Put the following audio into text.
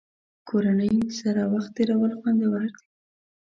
کورنۍ سره وخت تېرول خوندور دي.